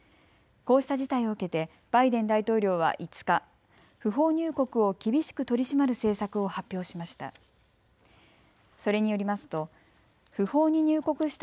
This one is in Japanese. こうした事態を受けてバイデン大統領は５日、不法入国を厳しく取り締まる政策を発表しました。